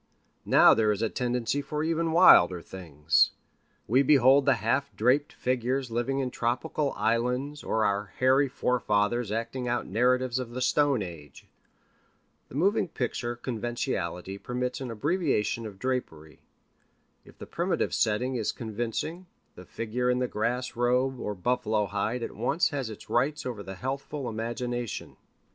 Now there is a tendency for even wilder things. We behold the half draped figures living in tropical islands or our hairy fore fathers acting out narratives of the stone age. The moving picture conventionality permits an abbreviation of drapery. If the primitive setting is convincing, the figure in the grass robe or buffalo hide at once has its rights over the healthful imagination.